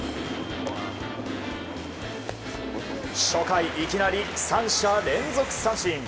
初回、いきなり３者連続三振。